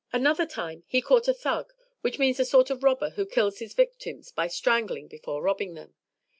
Another time he caught a Thug, which means a sort of robber who kills his victims by strangling before robbing them.